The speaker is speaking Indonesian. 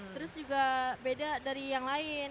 terus juga beda dari yang lain